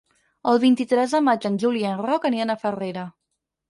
El vint-i-tres de maig en Juli i en Roc aniran a Farrera.